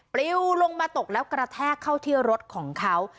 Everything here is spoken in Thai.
ปลิวลงมาตกแล้วกระแทกเข้าที่รถของเขา